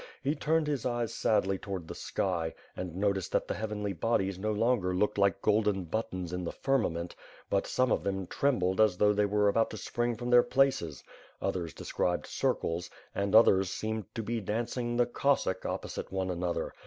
he turned his eyes sadly towards the sky, and noticed that the heavenly bodies no longer looked like golden buttons in the firmament, but some of them trembled as though they were about to spring from heir places; others described circles^ and others seemed to be ^ WITH FIRE AND 8W0BD. dancing the ''Cossack'^ opposite one another.